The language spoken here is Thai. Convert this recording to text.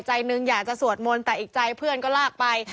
ใจหนึ่งอยากจะสวดมนต์แต่อีกใจเพื่อนก็ลากไป